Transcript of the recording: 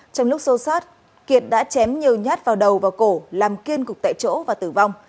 trong lúc xô sát kiệt đã chém nhiều nhát vào đầu và cổ làm kiên cục tại chỗ và tử vong